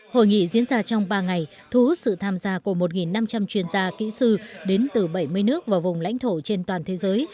hội nghị diễn ra trong ba ngày thu hút sự tham gia của một năm trăm linh chuyên gia kỹ sư đến từ bảy mươi nước và vùng lãnh thổ trên toàn thế giới